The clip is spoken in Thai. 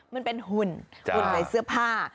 มันเป็นหุ่นหุ่นในเสื้อผ้า